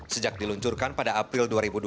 sejak diluncurkan pada april dua ribu dua puluh